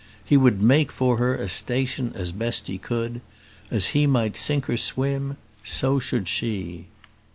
He would make for her a station as best he could. As he might sink or swim, so should she.